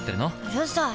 うるさい！